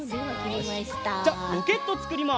じゃロケットつくります。